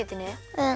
うん。